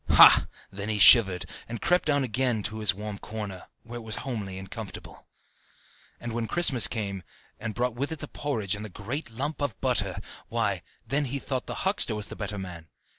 Ha! then he shivered, and crept down again to his warm corner, where it was homely and comfortable. And when Christmas came, and brought with it the porridge and the great lump of butter, why, then he thought the huckster the better man.